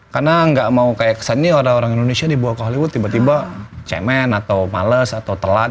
karena gak mau kayak kesannya orang indonesia dibawa ke hollywood tiba tiba cemen atau males atau telat